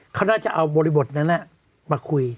เขาน่าจะเอาบริบทนั้นมาคุย